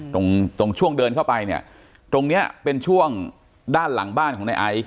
ตรงตรงช่วงเดินเข้าไปเนี่ยตรงเนี้ยเป็นช่วงด้านหลังบ้านของในไอซ์